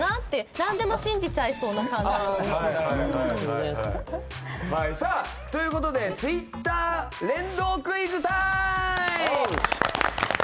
何でも信じちゃいそうな。ということでツイッター連動クイズタイム！